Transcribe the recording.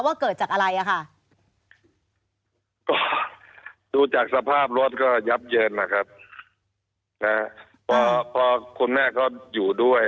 เกิดจากอะไรอ่ะค่ะก็ดูจากสภาพรถก็ยับเยินนะครับนะพอพอคุณแม่ก็อยู่ด้วย